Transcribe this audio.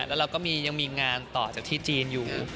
แล้วเราก็ยังมีงานต่อจากที่จีนอยู่